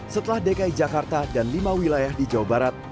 setelah dki jakarta dan lima wilayah di jawa barat